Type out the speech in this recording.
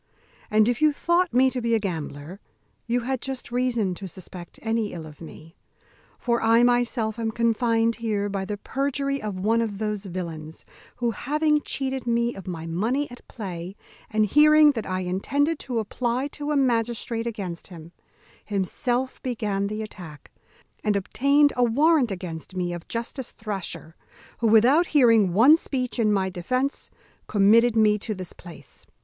And if you thought me to be a gambler you had just reason to suspect any ill of me; for I myself am confined here by the perjury of one of those villains, who, having cheated me of my money at play, and hearing that I intended to apply to a magistrate against him, himself began the attack, and obtained a warrant against me of Justice Thrasher, who, without hearing one speech in my defence, committed me to this place."